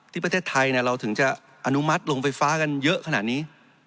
ประเทศไทยเราถึงจะอนุมัติลงไฟฟ้ากันเยอะขนาดนี้